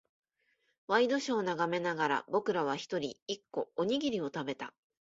ワイドショーを眺めながら、僕らは一人、一個、おにぎりを食べた。